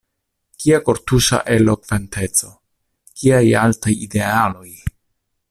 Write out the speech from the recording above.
Kia kortuŝa elokventeco; kiaj altaj idealoj!